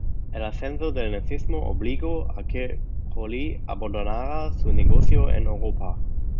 El ascenso del Nazismo obligó a que Jolie abandonara su negocio en Europa.